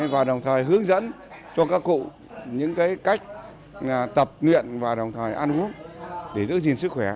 và đồng thời hướng dẫn cho các cụ những cách tập luyện và đồng thời ăn uống để giữ gìn sức khỏe